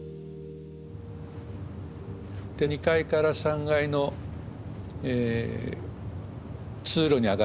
２階から３階の通路に上がっていきます。